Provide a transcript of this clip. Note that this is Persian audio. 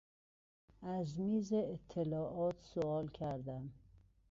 از میز اطلاعات سئوال کردم.